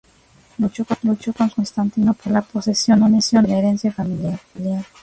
Luchó con su hermano Constantino por la posesión única de la herencia familiar.